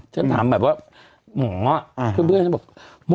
ฉันถามแบบว่าหมอ